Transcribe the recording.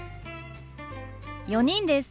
４人です。